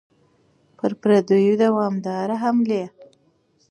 پر پردیو دوامدارې حملې.